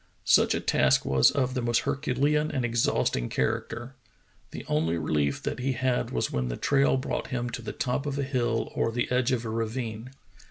Such a task was of the most herculean and exhausting character. The only relief that he had was when the trail brought him to the top of a hill or the edge of a ravine.